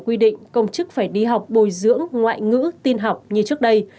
quy định công chức phải đi học bồi dưỡng ngoại ngữ tin học như trước đây